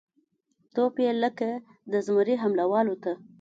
توپ یې لکه د زمري حمله والوته